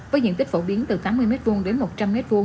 với diện tích phổ biến từ tám mươi m hai đến một trăm linh m hai